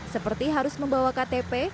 seperti harus membawa ktp